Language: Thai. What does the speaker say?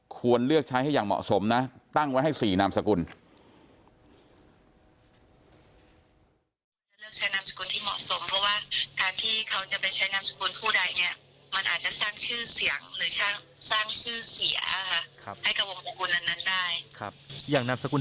ควรเลือกใช้ให้อย่างเหมาะสมนะตั้งไว้ให้๔นามสกุล